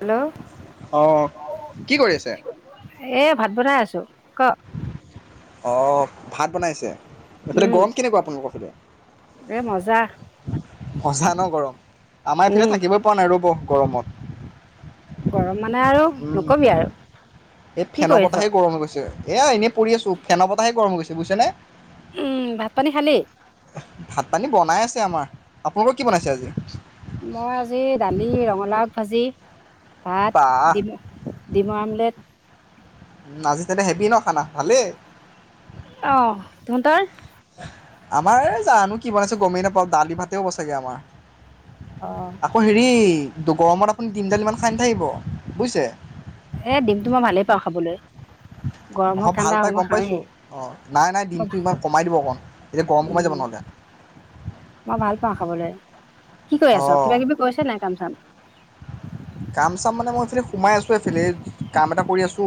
Hello অ', কি কৰি আছে? [unintelligible] এ, ভাত বনাই আছোঁ ক অ', ভাত বনাইছে সেফালে উম গৰম কেনেকুৱা আপোনালোক ফিলে? এ মজা সচা ন গৰম আমা এফিলে উম থাকিবই পৰা নাই ৰ'ব গৰমত। গৰম মানে আৰু নকবি উম, আৰু এই কি ফেনৰ কৰি আছ বতাহে গৰম হৈ গৈছে। এইয়া এনেই পৰি আছোঁ, ফেনৰ বতাহে গৰম গৈছে বুজিছেনে। উম, ভাত পানী খালী? ভাত পানী বনাই আছে আমাৰ, আপোনালোকৰ কি বনাইছে আজি? মই আজি দালি, ৰঙালাওঁ আগ ভাজি ভাত, বাহ, দিম ডিমা আমলেট। উম, আজি তেনে হেবি ন খানা ভালেই অ' তহঁতৰ? আমাৰ এই জানোঁ কি বনাইছে গমেই নাপাওঁ। দালি ভাতেই হ'ব চগে আমাৰ। অ'। আকৌ হেৰি, গৰমত আপুনি দিম দালি ইমান খাই নাথাকিব বুজিছে। এই দিম তোৰ মই ভালেই পাওঁ খাবলৈ। গৰম হওক নহয়, ভাল ঠাণ্ডা পাই হওক মই গ'ম পাইছোঁ। খাওঁৱেই অ' নাই নাই দিমটো ইমান কমাই দিব অকণ। এতিয়া গৰম সোমাই যাব উম নহ'লে। মই ভাল পাওঁ খাবলৈ। কি কৰি আছোঁ? অঁ কিবা কিবি কৰিছ নাই কাম চাম? কাম চাম মানে মই এইফালে সোমাই আছোঁ এইফালে। কাম এটা কৰি আছোঁ।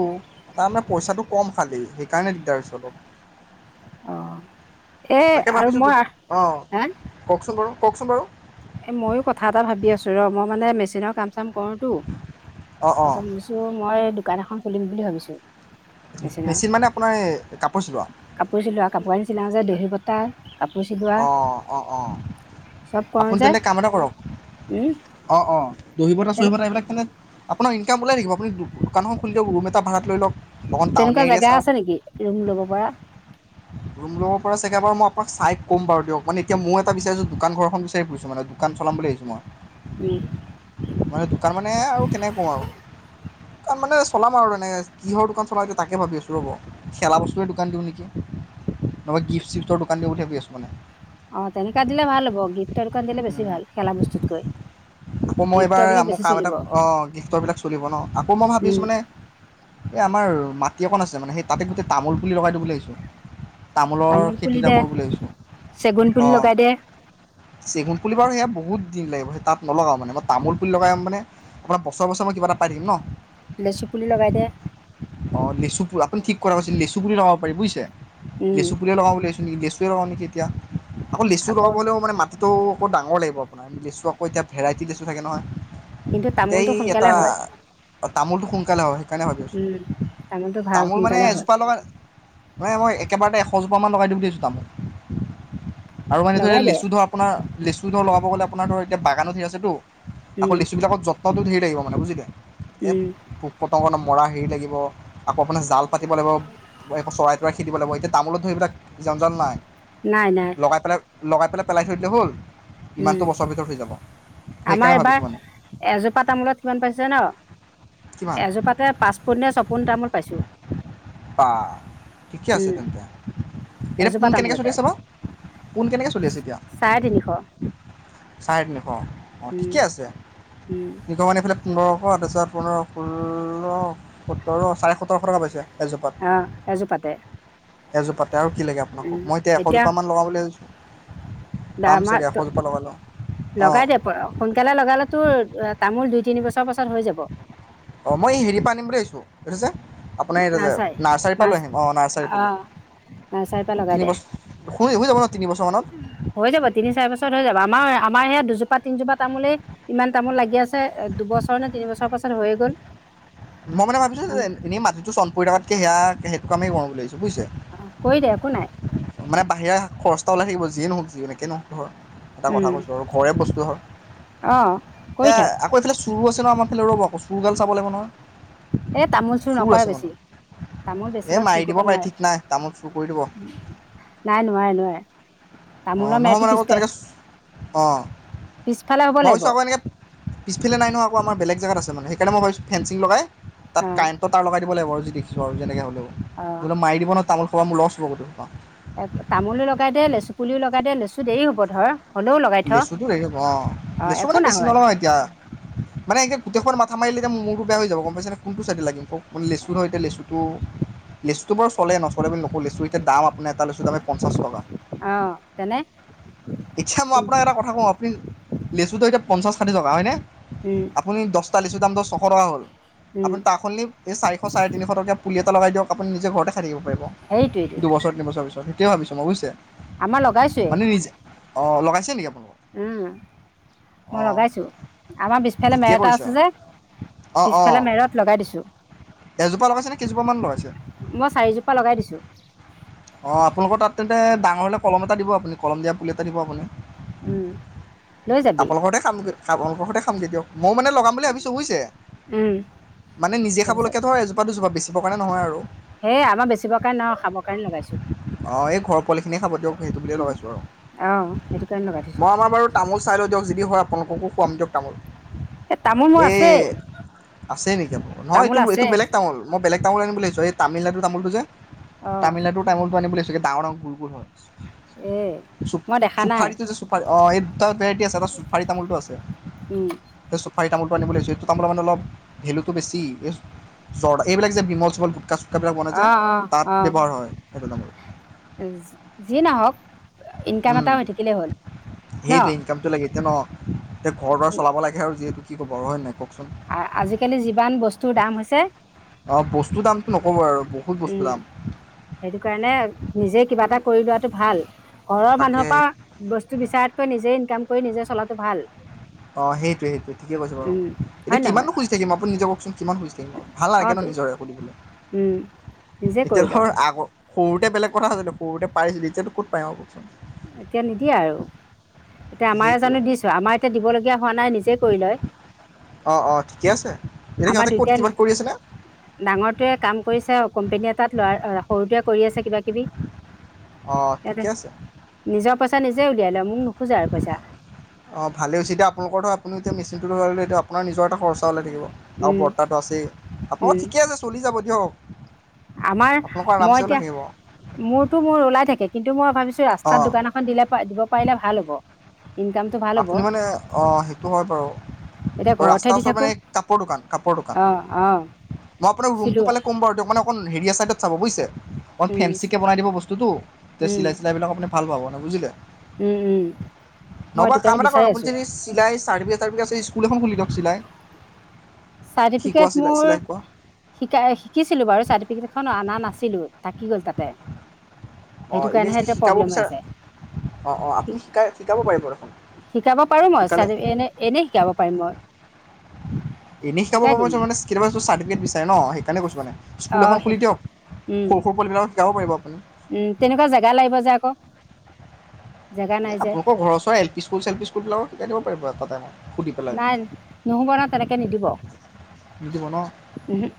তাৰমানে পইচাটো কম খালী, সেইকাৰণে দিগদাৰ হৈছে অলপ। অ এ তাকে আৰু ভাবিছোঁ মই তোক অ' হা কওঁকচোন বাৰু কওঁকচোন বাৰু। এই মইয়ো কথা এটা ভাবি আছোঁ ৰহ মই মানে মেচিনৰ কাম চাম কৰোটো। অঁ অঁ তাৰপিছত তোৰ মই দোকান এখন খুলিম বুলি ভাবিছোঁ। মেচিন মানে আপোনাৰ এই কাপোৰ চিলোৱা। কাপোৰ চিলোঁৱা কাপোৰ নিচিনা যে দহিবতা। কাপোৰ চিলোৱা। অ' অ' অ' চব কৰো আপুনি যে তেন্তে কাম এটা কৰক উম অ' অ' দহিবতটা তেনে চহিবতা এইবিলাক কেনে আপোনাৰ ইনকাম ওলাই থাকিব। আপুনি দোকানখন খুলি দিয়ক, ৰুম এটা ভাড়াত লৈ লওঁক। তেনেকুৱা জেগা আছে নেকি ৰুম ল'ব পৰা? ৰুম ল'ব পৰা চাগে বাৰু মই আপোনাক চাই কম বাৰু দিয়ক। মানে এতিয়া মইয়ো এটা বিচাৰছোঁ দোকানঘৰ এখন বিচাৰি ফুৰিছোঁ মানে দোকান চলাম বুলি ভাবিছোঁ মই। উম। মানে দোকান মানে আৰু কেনেকে কওঁ আৰু দোকান মানে চলাম আৰু এনে কিহৰ দোকান চলাওঁ, তাকে ভাবি আছোঁ ৰ'ব। খেলা বস্তুৰে দোকান দিওঁ নেকি? নহ'লে বা গিফ্ট চিফ্টৰ দোকান দিওঁ বুলি ভাবি আছোঁ মানে? তেনেকা দিলে ভাল হ'ব, গিফ্টৰ দোকান দিলে বেছি ভাল খেলা বস্তুতকৈ। আকৌ মই গিফ্টৰ এইবাৰ বিলাক মোৰ বেছি কাম চলিব এটাক, অ' গিফ্টৰবিলাক চলিব ন? আকৌ মই উম ভাবিছোঁ মানে এই আমাৰ মাটি অকন আছে মানে, সেই তাতে গোটেই তামোল পুলি লগাই দিওঁ বুলি ভাবিছোঁ? তামোলৰ তামোল খেতি পুলি এটা দে কৰোঁ বুলি ভাবিছোঁ? চেগুন পুলি অ' লগাই দে চেগুন পুলি বাৰু সেয়া বহুত দিন লাগিব। তাত নলগাওঁ। মানে মই তামোল পুলি লগাম মানে, আপোনাৰ বছৰে বছৰে মই কিবা এটা পাই থাকিম ন। লেচু পুলি লগাই দে। অ' লেচু পুলি, আপুনি ঠিক কথা কৈছে। লেচু পুলিও লগাব পাৰি বুজিছে, উম লেচু পুলি লগাওঁ বুলি ভাবিছোঁ? লেচুৱে লগাওঁ নেকি এতিয়া, আকৌ লেচু লগাব হ'লে মানে মাটি টো আকৌ ডাঙৰ লাগিব আপোনাৰ, লেচু আকৌ এতিয়া ভেৰাইটি লেচু থাকে নহয়। কিন্তু এই তামোলটো সোনকালে এটা হয় তামোলটো সোনকালে হয়, সেইকাৰণে ভাবি আছোঁ। উম তামোলটো ভাল তামোল মানে সোনকালে হয় এজোপা লগা নাই মই একেবাৰতে এশজোপামান লগাই দিম বুলি ভাবিছোঁ, তামোল? আৰু মানে ধৰি ল, লগাই দে লেচু ধৰ আপোনাৰ লেচু ধৰ লগাব গ'লে, আপোনাৰ ধৰ এতিয়া বাগানো ঢেৰ আছেতো। আকৌ উম লিচু বিলাকত যত্নটো ধেৰি লাগিব মানে বুজিলে, এই উম পোক-পতংগ মৰা হেৰি লাগিব ব, আকৌ আপোন জাল পাতি লাগিব, আকৌ চৰাই তৰাই খেদিব লাগিব। এতিয়া তামোলত ধৰ এইবিলাক জন জাল নাই। নাই নাই লগাই পেলাই, লগাই পেলাই, পেলাই থৈ দিলে হ'ল। উম ইমানটো বছৰ ভিতৰত হৈ যাব। আমাৰ সেইকাৰণে ভাবিছোঁ এইবাৰ মানে এজোপা তামোলত কিমান পাইছো জান? কিমান এজোপাতে পাঁচ পোনে নে ছপোন তামোল পাইছো। বা ঠিকে আছে উম, তেন্তে, এতিয়া এজোপা পোন কেনেকৈ চলি তামোলতে আছে বা? পোন কেনেকে চলি আছে এতিয়া? চাৰে তিনিশ। চাৰে তিনিশ, অ' উম, ঠিকে আছে। উম, ত' এইফালে পোন্ধৰশ তাৰ পাছত পোন্ধৰ ষো্ল সোতৰ চাৰে সোতৰশ টকা পাইছে, এজোপাত। অ' এাজোপাতে। এজোপাতে আৰু কি লাগে আপোনাক কওঁক, মই এতিয়া এশজোপা মান লগাম বুলি ভাবিছো। দে আমাৰটো, লগাই লওঁ অঁ লগাই দে পৰা। সোনকালে লগালে তোৰ, আ তামোল দুই তিনি বছৰ পাছত হৈ যাব। অ' মই হেৰি পৰা আনিম বুলি ভাবিছো। এইটোযে আপুনাৰ এইটো যে নাৰ্চাৰী নাৰ্চাৰীৰ পৰা নাৰ্চ লৈ আহিম, অ' নাৰ্চাৰীৰ পুলি। অ', নাৰ্চাৰীৰ পৰা লগাই দে। তিনিবছ হুই হুই যাব ন' তিনিবছৰমানত? হৈ যাব, তিনি চাৰি বছৰত হৈ যাব। আমাৰ আমাৰ সেইয়া দুজোপা তিনজোপা তামোলেই ইমান তামোল লাগি আছে। তে, দুবছৰ নে তিনি বছৰৰ পাছত হৈয়ে গ'ল। মই মানে ভাবিছো যে এ-এনেই মাটিটো চনপৰি থকাতকে সেয়া সেইটো কামেই কৰো বুলি ভাবিছো বুইছে? অ' কৰি দে একো নাই। মানে বাহিৰা খৰচা এটা ওলাই থাকিব, যিয়ে নহওঁক যেনেকে নহওঁক ধৰ। এটা কথা উম। কৈছোঁ আৰু ঘৰৰে বস্তু হয়, অ এ কৰি থাক আকৌ এইফালে চো চোৰো আছে নহয় আমাৰ ফালে ৰ'ব আকৌ, চোৰ গাল চাব লাগিব নহয়। এই তামোল চোৰ নকৰে আছে মানে বেছি। তামোল এই বেছিভাগ মাৰি চোৰ দিব কৰিব পাৰে নোৱাৰে, ঠিক নাই তামোল চুৰ কৰি দিব নাই নোৱাৰে, নোৱাৰে। তামোলৰ অ' নহয় মেৰটো মানে আকৌ পিছপে তেনেকে, অ' পিছফালে হ'ব মই লাগিব ভাবিছোঁ আকৌ অ এনেকে পিফালে নাই নহয় আকৌ আমাৰ বেলেগে জেগাত আছে মানে, সেইকাৰণে ভাবিছো ফেন্সিং লগাই তাত কাৰেণ্টৰ টাৰ লগাই দিব লাগিব আৰু যি দেখিছোঁ আৰু যেনেকে হ'লেও, অ নহ'লে মাৰি দিব নহয় তামোল পুৰা মোৰ লষ্ট হ'ব গোটেই সোপা। এ তামোলো লগাই দে, লেচু পুলিও লগাই দে, লেচু দেৰি হ'ব ধৰ। হ'লেও লগাই থ লেচুটো হেৰি হ'ব অ', লেচু একো মানে বেছি নহয় নলগাওঁ এতিয়া। মানে এতিয়া গোটেইসোপাত মাথা মাৰিলে এতিয়া মোৰ মূৰটো বেয়া হৈ যাব গম পাইছানে, কোনটো চাইডে লাগিম কওঁক। লেচু ধৰ এতিয়া লেচুটো, লেচুটো বাৰু চলে, নচলে বুলি নকওঁ, লেচু এতিয়া দাম আপোনাৰ এটা এটা লেচুৰ দামে পঞ্চাছ টকা। অ' তেনে। এতিয়া মই আপোনাক এটা কথা কওঁ, আপুনি লেচুটো এতিয়া পঞ্চাছ ষাঠি টকা হয়নে। উম। আপুনি দহটা লেচুৰ দামটো ছশ টকা হ, ল, উম আপুনি তাৰসলনি এই চাৰিশ, চাৰে তিনিশ টকীয়া পুলি এটা লগাই দিয়ক আপুনি নিজে ঘৰতে খাই থাকিব পাৰিব। সেইটোৱেইটো দুবছৰ তিনিবছৰ পিছত। সেইটোৱে ভাবিছো মই বুজিছে। আমাৰ লগাইছোৱে। এইযে, অ' লগাইছে নেকি আপোনালোকক? উম। মই লগাইছো, আমাৰ পিছফালে ঠিকে মেৰাটা কৰিছে আছে যে অঁ অঁ পিছফালে মেৰত লগাই দিছো। এজোপা লগাইছে কেইজোপামান লগাইছে? মই চাৰিজোপা লগাই দিছো। অ আপোনালোকৰ তাত তেন্তে ডাঙৰ হলে কলম এটা দিব আপুনি কলম দিয়া পুলি এটা দিব আপুনি। উম লৈ যাবি। আপোনালোকৰ ঘৰতে খামগৈ আপোনালোকৰ ঘৰতে খামগৈ দিয়ক। মই মানে লগাম বুলি ভাবিছোঁ বুজিছে, উম মানে নিজে তাৰপিছত খাবলৈকে ধৰ এজোপা দুজোপা বেছি বিকিব কাৰণে নহয় আৰু। হে আমাৰ বেচিবৰ কাৰণে নহয় খাবৰ কাৰণে লগাইছো। অ এই ঘৰ পোৱালিখিনিয়ে খাব দিয়ক সেইটো বুলিয়ে লগাইছোঁ আৰু, অহ সেইটো কাৰণে লগাই থৈছো মই আমাৰ বাৰু তামোল চাই দিয়ক যদি হয় আপোনালোককো খুৱাম দিয়ক। তামোল, এ তামোল মোৰ এই আছেই আছে নেকি আপোনালোকৰ নহয় তামোল এইটো এইটো আছে বেলেগ তামোল মই বেলেগ তামোল আনিম বুলি ভাবিছোঁ, এই তামিলনাডুৰ তামোলটো যে। অ তামিলনাডুৰ তামোলটো আনিব লৈছো ডাঙৰ ডাঙৰ গুল গুল হয়। উ। চু চু ফাৰীটো যে চুফাৰী অ এই দুটা ভেৰাইটি আছে এটা চুফাৰী তামোলটো আছে। উম এই চুফাৰী তামোলটো আনিবলৈচো এইটো তামোল মানে অলপ ভেলুটো বেছি এই জৰ্দা এইবিলাক বিমল চিমল গুটকা চো অ অ। ব্যৱহাৰ হয় সেইটো তামোল। যি নহওক ইনকাম এটা উম, হৈ থাকিলেই হ'ল ন সেইটোৱে ইনকামটো লাগে এতিয়া ন, এতিয়া ঘৰ দুৱাৰ চলাব লাগে আৰু যিহেতু। কি ক'ব আৰু হয় নাই কওকচোন। আ-আজিকালি যিমান বস্তুৰ দাম হৈছে। অঁ বস্তুৰ দামটো নক'ব আৰু বহুত বস্তুৰ উম দাম। সেইটো কাৰণে নিজে কিবা এটা কৰি লোৱাটো ভাল ঘৰৰ তাকে মানুহৰ পা বস্তু বিচাৰাতকৈ নিজে ইনকাম কৰি নিজে চলাটো ভাল। অ সেইটোৱে সেইটোৱে ঠিকে কৈছে বাৰু। উম এতিয়া হয় কিমানো নহয় খুজি থাকিম আপুনি নিজে কওকচোন কিমান খুজি থাকিম আৰু। ভাল নালাগে ন অতো নিজৰে সুধিবলৈ, উম নিজে এতিয়া কৰি ল ধৰ আগৰ সৰুতে বেলেগ কথা আছিলে সৰুতে পাৰিছিলো এতিয়াতো ক'ত পাৰিম আৰু ককচোন। এতিয়া নিদিয়ে আৰু এতিয়া আমাৰ সেইটোৱে জানো দিছো আমাৰ এতিয়া দিব লগীয়া হোৱা নাই নিজে কৰি লয়। অঁ অঁ ঠিকে আছে এতিয়া আমাৰ সিহঁতে ক'ত দুইটাই কিবাত কৰি আছে নে? ডাঙৰটোৱে কাম কৰিছে কোম্পেনী এটাত ল সৰুটোৱে কৰি আছে কিবা কিবি। অ ইয়াতে ঠিকে আছে। নিজৰ পইচা নিজে উলিয়াই লয় মোক নোখোজে আৰু পইচা। অঁ ভালে হৈছে এতিয়া আপোনালোকৰটো আপুনি এতিয়া মেচিনটো লগাই ললে এতিয়া আপোনাৰ নিজৰ এটা খৰচা ওলাই থাকিব আৰু উম বৰ্তাটো আছেই আপোনালোকৰ উম ঠিকে আছে চলি যাব দিয়ক। আমাৰ আপোনালোকৰ মই আৰামছে ওলাই এতিয়া থাকিব মোৰতো মোৰ ওলাই থাকে কিন্তু মই ভাবিছো ৰাস্তাত অঁ দোকান এ এখন দিলে দিব পাৰিলে ভাল হ'ব ইনকাম আপুনি মানে অ সেইটো হয় বাৰু। এতিয়া ঘৰতহে ৰাস্তাৰ দি ওচৰত থাকোঁ মানে কাপোৰৰ দোকান কাপোৰ দোকান। অঁ অঁ মই আপোনাক ৰুমটো চিলোৱা পালে ক'ম বাৰু দিয়ক মানে অকণ হেৰিয়া ছাইডত চাব বুজিছে অকণ উম ফেঞ্চিকে বনাই দিব বস্তুটো তেতিয়া উম চিলাই চিলাইবিলাক আপুনি ভাল পাব ন বুজিলে। উম, উম। মই নহয় বা সেইটো কাম কাৰণে এটা কৰক, বিচাৰি আপুনি আছোঁ যদি চিলাই চাৰ্টিফিকেট টাৰ্টিফিকেট স্কুল খুলি দিয়ক চিলাই শিকোৱা চাৰ্টিফিকেট চিলাই মোৰ চিলাই শিকোৱা। শিকাই শিকিছিলো বাৰু চাৰ্টিফিকেটখন অনা নাছিলো থাকি গ'ল তাতে। সেইটো অ', এনেই কাৰণেহে যদি এতিয়া শিকাব প্ৰব্লেম হৈ বিচাৰা আছে অঁ অঁ শি আপুনি শিকাই শিকাব পাৰিব দেখোন। শিকাব পাৰোঁ মই শিকালে ছাৰ এনে এনেই শিকাব পাৰিম মই। এনে শিকাব শিকাই দিম পাৰিব মানে, কেতিয়াবা চাৰ্টিফিকেট বিচাৰে ন সেইকাৰণে কৈছোঁ মানে। অ স্কুল এখন খুলি দিয়ক উম সৰু সৰু পোৱালী বিলাকক শিকাব পাৰিব আপুনি। উম, তেনেকুৱা জেগা লাগিব যে আকৌ। জেগা এ নাই যে আপোনালৰ ঘৰ ওচৰৰ এল পি স্কুল চেলপি স্কুলবিলাকত শিকাই দিব পাৰিব এটা টাইমত। সুধি পেলাই নাই নহ'ব নহয় তেনেকে নিদিব। নিদিব ন? ও'হু',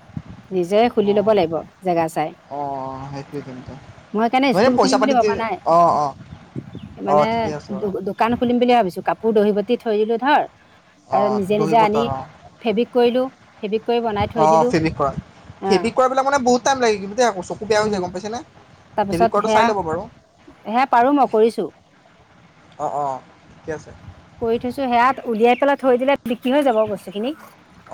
নিজে খুলি ল'ব অঁ লাগিব জেগা চাই। অঁ সেইটোৱে তেন্তে মই সেইকাৰণে মানে স্কুল পইচা খুলিম বুলি পাতি দি ভবা নাই। অ', অ', অ', মানে ঠিকে আছে দো বাৰু দোকান খুলিম বুলিহে ভাবিছো, কাপোৰ দহিবতি থৈ দিলো ধৰ আৰু অ', নিজে দহি নিজে আনি বতাৰ অ', ফেব্ৰিক কৰিলোঁ। ফেব্ৰিক কৰিব অ', ফেব্ৰিক কৰা, ফেব্ৰিক কৰা বিলাক মানে বহুত টাইম লাগে কিন্তু আকৌ চকু বেয়া হৈ উম যায় গ'ম পাইছে নে? তাৰপিছত সেয়া, সেয়া পাৰোঁ মই কৰিছো। অ', অ' ঠিকে আছে। কৰি থৈছো সেয়াত উলিয়াই পেলাই থৈ দিলে বিক্ৰী হৈ যাব বস্তুখিনি।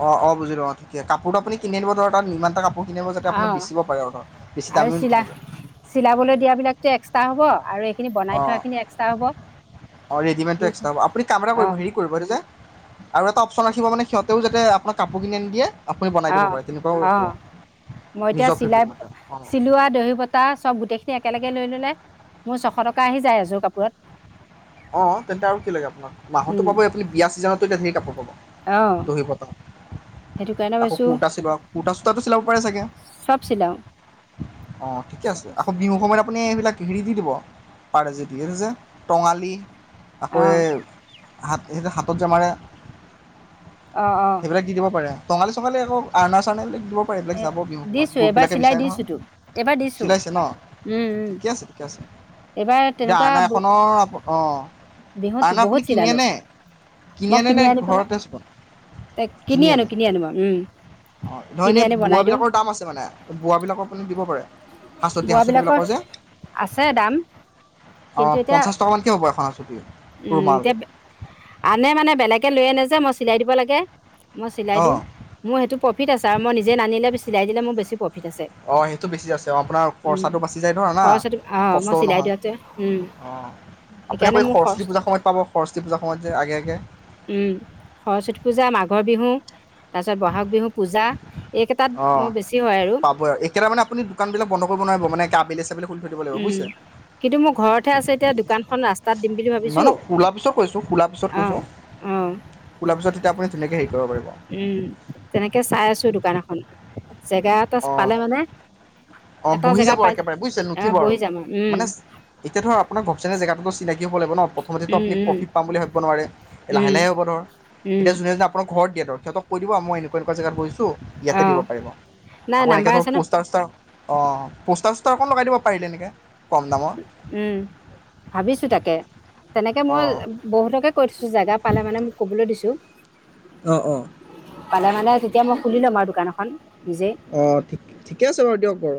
অ', অ' বুজিলো কাপোৰটো আপুনি কিনি আনিব ধৰ তাত ইমানটা কাপোৰ কিনিব যাতে অ আপুনি বেচিব পাৰে আৰু ধৰ, বেছি আৰু দামীও চিলা নিকিনিব। চিলাবলৈ দিয়াবিলাকটো এক্সট্ৰা হ'ব, আৰু এইখিনি বনাই অ', থোৱাখিনি এক্সট্ৰা হ'ব অ' ৰেডিমেডটো এক্সট্ৰা দুইখিনি হ'ব, আপুনি কাম এটা কৰিব অঁ হেৰি আৰু এটা অফচন ৰাখিব মানে সিহঁতেও যাতে আপোনাক কাপোৰ কিনি আনি দিয়ে। আপুনি বনাই দিব অঁ পাৰে, তেনেকুৱাও অঁ মই আছে এতিয়া নিজৰ ফেব্ৰিক চিলাই মতে অ'। চিলোৱা দহি পত [unintelligible] তাৰ চব গোটেইখিনি একেলগে লৈ ল'লে মোৰ ছশ টকা আহি যায় এযোৰ কাপোৰত। অ', তেন্তে আৰু কি লাগে আপোনাক? মাহতো পাবই আপুনি বিয়া ছিজনতো এতিয়া ঢেৰ কাপোৰ অঁ পাব। দহি বতা। সেইটো কাৰণে আকৌ ভাবিছোঁ কূৰ্তা চিলোৱা, কূৰ্তা চূৰ্তাটো চিলাব পাৰে চাগে। চব চিলাওঁ অ', ঠিকে আছে, আকৌ বিহু সময়ত আপুনি এইবিলাক হেৰি দি দিব পাৰে যদি। এইটো যে টঙালি আকৌ অঁ এই হাত সেই হাতত যে মাৰে অ', অ'। এইবিলাক দি দিব পাৰে, টঙালী চঙালী আক' আৰনা চাৰনা এইবিলাক দিব পাৰে, এইবিলাক এ যাব বিহু দিছোঁ সময়ত গ্ৰুপ এইবাৰ বিলাকে চিলাই বিচাৰে দিছোঁতো নহয়। এইবাৰ দিছোঁ চিলাইছে ন, ঠিকে আছে ঠিকে আছে। এইবাৰ এতিয়া তেনেকুৱা আৰনা এখনৰ আপ অ' বিহুত আৰনা বহুত আপুনি কিনিয়ে চিলালো নে কিনি মই আনে নে আনি পেলাই ঘৰতে চবা, তে কিনি আনো আনে? আনো মই উম হয়, নহয় কিনি এনে আনি বোৱা বনাই দিওঁ বিলাকৰ দাম আছে মানে, বোৱা বিলাক আপুনি দিব পাৰে। হাঁচতি হাঁচতি বোৱাবিলাকৰ বিলাকৰ যে আছে দাম কিন্তু অঁ, এতিয়া পঞ্চাছ টকামানকৈ হ'ব এখন হাঁচতি উম ৰুমাল। এতিয়া আনে মানে, বেলেগে লৈ আনে যে মই চিলাই দিব লাগে, মই চিলাই অঁ দিওঁ মোৰ সেইটো প্ৰফিট আছে। তাৰ মই নিজে নানিলে চিলাই দিলে মোৰ বেছি প্ৰফিট আছে। অঁ, সেইটো বেছি আছে আপোনাৰ উম খৰচাটো বাচি যায় ধৰা না, সৰস্বতী অঁ মই কষ্টও চিলাই নহয়। দিয়াতে উম অ, আপুনি সেইকাৰণে আৌ মোৰ খৰচ সৰস্বতী পূজাৰ সময়ত পাব সৰস্বতী পূজাৰ সময়ত যে আগে আগে। উম', সৰস্বতী পূজা, মাঘৰ বিহু তাৰপিছত বহাগ বিহু পূজা। এইকেইটাত মোৰ বেছি হয় আৰু কেইটাৰানে আপুনি দোকান বন্ধ কৰিব নোৱাৰিব মানে আাবেল-চাবেল খুলি থিব লাগিব উম বুজছে? কিন্তু মোৰ ঘৰতহে আছে এতিয়া দোকানখন ৰাস্ত নহয়, খোলা পিছত কৈছোঁ খোলা পিছত অ কৈছোঁ, অ খোলাৰ পিছত তেতিয়া আপুনি তেনেকৈ হেৰি কৰিব পাৰিব। উম, তেনেকৈ চাই আছোঁ দোকান এখন জেগা এটা অঁ পালে মানে অ, এটা বহি জেগা যাব পাই একেবাৰে বুজিছে, অ নুঠিব আৰু বহি যাম উম মানে এতিয়া ধৰা আপোনাৰ ঘপচনে জগাটোটো চিনাকি হব লাগিব ন। প্ৰথমতেতো উম আপুনি উম প্ৰফিট পাম বুলি ভাবিব নোৱাৰে, লাহে উম লাহে হ'ব ধৰক উম এতিয়া যোনে ঘৰত দিয় ইহঁতক কৈ দিব মই এনেকুৱা এনেকুৱা জেগাত বহি ইয়াতে অ দিব পাৰিব, নাই আকৌ এনেকে নাম্বাৰ ধৰক আছে ন পষ্টাৰাৰ অ, পোষ্টাৰ-চোষ্টাৰ অকণ লগাই দিব পাৰিলে এনেকে কম দামত উম, ভাবিছো তাকে তেনেকে অ মই বহুতকে কৈ থছো জেগা পালে মানে মোক ক'বলৈ দিছো। অ-অ পালে মানে তেতিয়া মই খুলি লম আৰু দোকান এখন। নিজেই অ, ঠিকে আছে বাৰু দিয়ক বাৰু,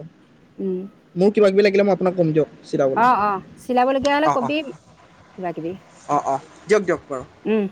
উম মোৰ কিবাি কিবি লাগিলে মই আপোনাক কম দিয়ক। চিলাবলৈ অ-অ, চিলাবলগীয়া হলে অ অ কবি কিবা-কিবি, অ অ দিয়ক দিয়ক বাৰু উম